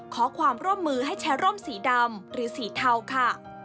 ขอความร่วมมือให้ใช้ร่มสีดำหรือสีเทาค่ะ